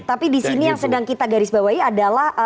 tapi di sini yang sedang kita garis bawahi adalah